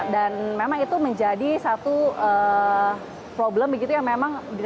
dan memang itu menjadi satu problem begitu yang memang dirasakan cukup baik